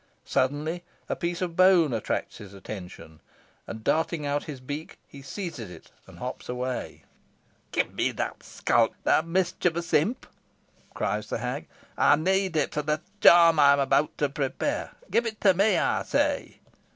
Suddenly a piece of bone attracts his attention, and darting out his beak, he seizes it, and hops away. "Give me that scalp, thou mischievous imp!" cries the hag, "I need it for the charm I am about to prepare. Give it me, I say!"